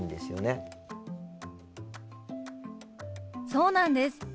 そうなんです。